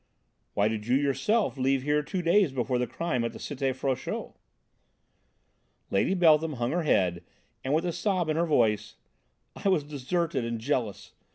"Why did you yourself leave here two days before the crime at the Cité Frochot?" Lady Beltham hung her head and with a sob in her voice: "I was deserted and jealous.